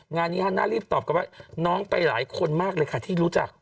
งานนี้ฮันน่ารีบตอบกลับว่าน้องไปหลายคนมากเลยค่ะที่รู้จัก